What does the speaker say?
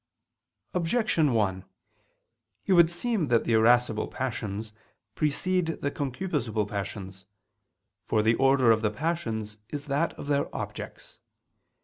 Objection 1: It would seem that the irascible passions precede the concupiscible passions. For the order of the passions is that of their objects.